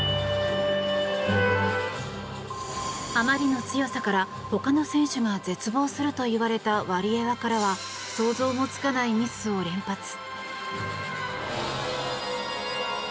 あまりの強さから他の選手が絶望するといわれたワリエワからは想像もつかないミスを連発。